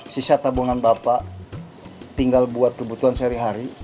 sisa tabungan bapak tinggal buat kebutuhan sehari hari